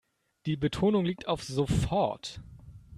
Die Betonung liegt auf sofort.